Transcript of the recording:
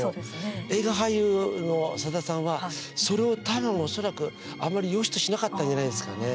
映画俳優の佐田さんはそれを多分恐らくあまりよしとしなかったんじゃないですかね。